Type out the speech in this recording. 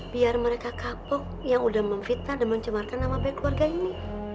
biar mereka kapok yang udah memfitnah dan mencemarkan nama baik keluarga ini